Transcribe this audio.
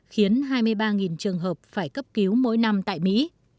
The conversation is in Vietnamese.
khiến hai mươi ba trường hợp phải cấp cứu mỗi năm tại mỹ